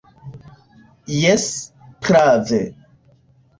Jes, prave.